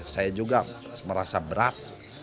saya juga merasa berat